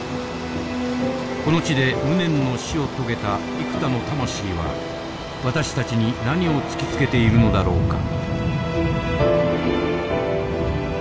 この地で無念の死を遂げた幾多の魂は私たちに何を突きつけているのだろうか。